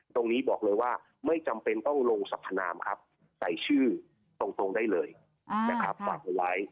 ตรงนี้บอกเลยว่าไม่จำเป็นต้องลงสัพพนามใส่ชื่อตรงได้เลยฝากไว้